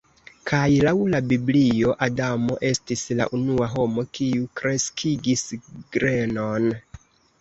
Kaj laŭ la Biblio Adamo estis la unua homo kiu kreskigis grenon.